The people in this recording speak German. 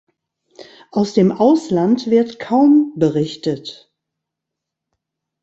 Aus dem Ausland wird kaum berichtet.